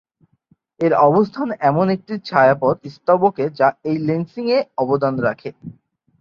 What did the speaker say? এর অবস্থান এমন একটি ছায়াপথ স্তবকে যা এই লেন্সিং-এ অবদান রাখে।